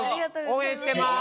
応援してます。